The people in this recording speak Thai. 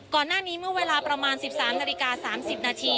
ก่อนหน้านี้เมื่อเวลาประมาณ๑๓นาฬิกา๓๐นาที